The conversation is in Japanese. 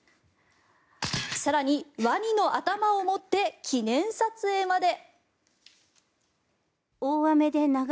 更に、ワニの頭を持って記念撮影まで。